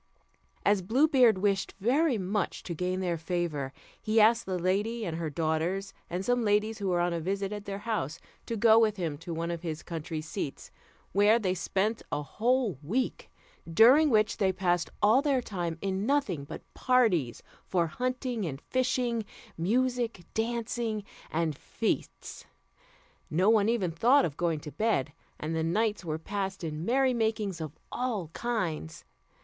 As Blue Beard wished very much to gain their favour, he asked the lady and her daughters, and some ladies who were on a visit at their house, to go with him to one of his country seats, where they spent a whole week, during which they passed all their time in nothing but parties for hunting and fishing, music, dancing, and feasts. No one even thought of going to bed, and the nights were passed in merry makings of all kinds.